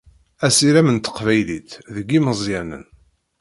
Asirem n teqbaylit deg imeẓyanen.